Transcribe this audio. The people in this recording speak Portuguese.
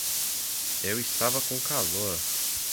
Eu estava com calor.